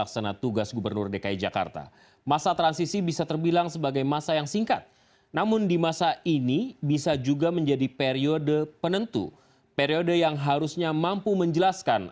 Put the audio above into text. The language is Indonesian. saya yakin betul